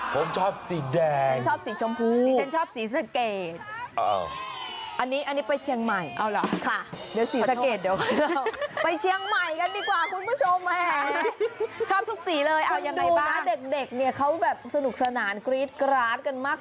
ผมจะเล่าให้ฟังเพราะว่า